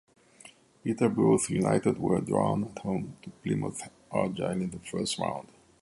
Peterborough United were drawn at home to Plymouth Argyle in the first round.